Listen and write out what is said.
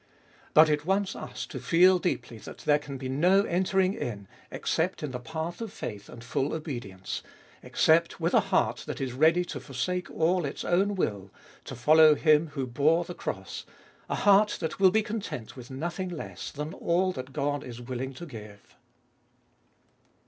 But it wants us to feel deeply that there can be no entering in, except in the path of faith and full obedience, except with a heart that is ready to forsake all its own will, to follow Him who bore the cross, a heart that will be content with nothing less than all that God is willing to give.